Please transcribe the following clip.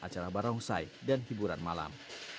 acara barongsai dan hiburan malam